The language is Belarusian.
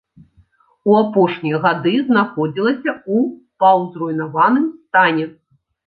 У апошнія гады знаходзілася ў паўзруйнаваным стане.